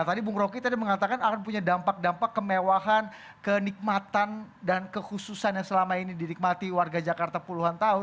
tadi bung roky tadi mengatakan akan punya dampak dampak kemewahan kenikmatan dan kekhususan yang selama ini didikmati warga jakarta puluhan tahun